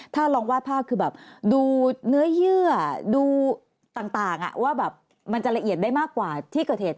ถ้าลองวาดภาพคือแบบดูเนื้อเยื่อดูต่างว่าแบบมันจะละเอียดได้มากกว่าที่เกิดเหตุ